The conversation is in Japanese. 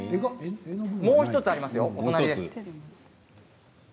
もう１つありますよ、お隣です。